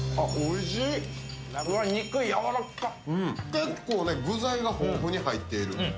結構、具材が豊富に入ってる。